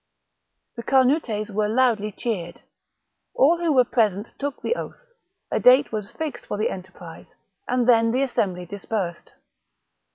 The Carnutes were loudly cheered ; all who were present took the oath ; a date was fixed for the enterprise ; and then the assembly dispersed.